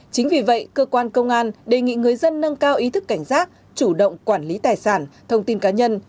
chính vì vậy cơ quan công an đề nghị người dân nâng cao ý thức cảnh giác chủ động quản lý tài sản thông tin cá nhân